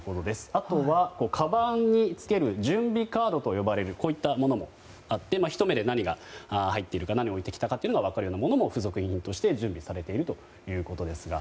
あとは、かばんにつける準備カードと呼ばれるこういったものもあってひと目で何が入っているか何を置いてきたか分かるようなものも付属品として準備されているということです。